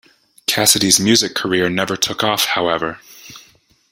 Cassidy's music career never took off, however.